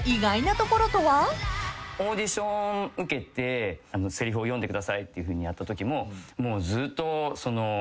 オーディション受けてせりふを読んでくださいっていうふうにやったときももうずっと。